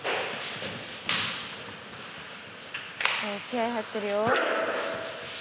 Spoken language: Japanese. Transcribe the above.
気合入ってるよ。